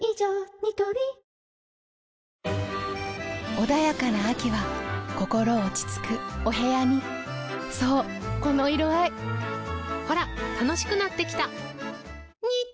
ニトリ穏やかな秋は心落ち着くお部屋にそうこの色合いほら楽しくなってきた！